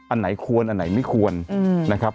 อันไหนควรอันไหนไม่ควรนะครับ